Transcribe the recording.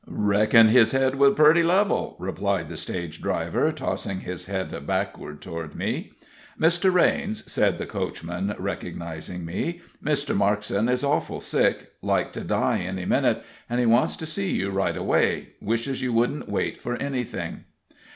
"Reckon his head was purty level," replied the stage driver, tossing his head backward toward me. "Mr. Raines," said the coachman, recognizing me, "Mr. Markson is awful sick like to die any minute an' he wants to see you right away wishes you wouldn't wait for anything."